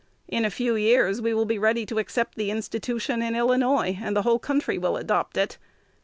In a few years we will be ready to accept the institution in Illinois, and the whole country will adopt it.'